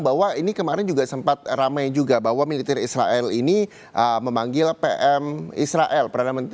bahwa ini kemarin juga sempat ramai juga bahwa militer israel ini memanggil pm israel